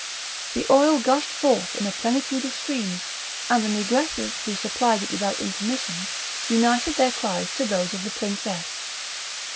The oil gushed forth in a plenitude of streams; and the negresses, who supplied it without intermission, united their cries to those of the princess.